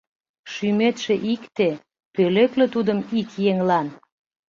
Шӱметше икте Пӧлекле тудым ик еҥлан.